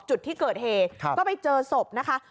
จุดที่เกิดเหตุก็ไปเจอศพนะคะ